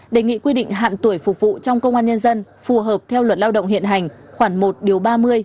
đề nghị quy định hạn tuổi phục vụ trong công an nhân dân phù hợp theo luật lao động hiện hành khoảng một điều ba mươi